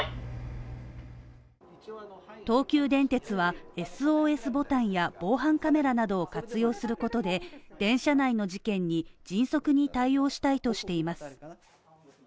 東急電鉄は、ＳＯＳボタンや防犯カメラなどを活用することで電車内の事件に迅速に対応したいとしています。